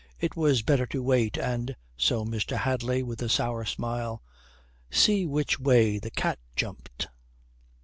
It was better to wait and (so Mr. Hadley with a sour smile) "see which way the cat jumped."